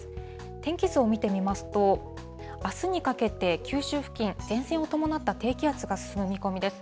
天気図を見てみますと、あすにかけて、九州付近、前線を伴った低気圧が進む見込みです。